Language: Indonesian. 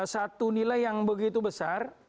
satu nilai yang begitu besar